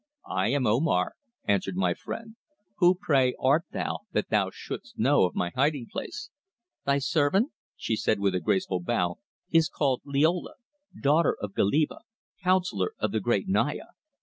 "I am Omar," answered my friend. "Who, pray, art thou, that thou shouldst know of my hiding place?" "Thy servant," she said with a graceful bow, "is called Liola, daughter of Goliba, councillor of the great Naya.